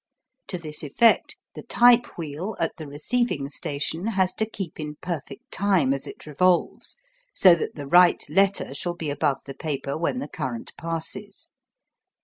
To this effect the type wheel at the receiving station has to keep in perfect time as it revolves, so that the right letter shall be above the paper when the current passes.